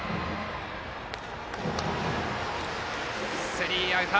スリーアウト。